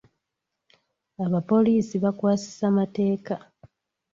Abapoliisi bakwasisa mateeka.